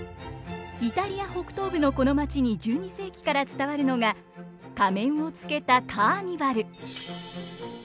イタリア北東部のこの街に１２世紀から伝わるのが仮面をつけたカーニバル。